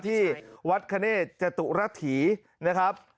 ที่วัดคเนธจตุรฐีนะครับ